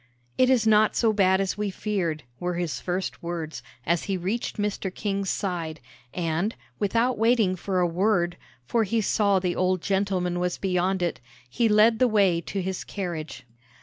"It is not so bad as we feared," were his first words, as he reached Mr. King's side; and, without waiting for a word, for he saw the old gentleman was beyond it, he led the way to his carriage.